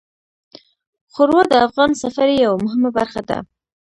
ښوروا د افغان سفرې یوه مهمه برخه ده.